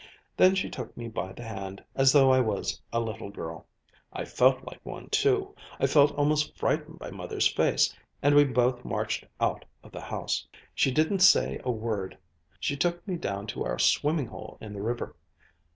Then she took me by the hand, as though I was a little girl. I felt like one too, I felt almost frightened by Mother's face, and we both marched out of the house. She didn't say a word. She took me down to our swimming hole in the river.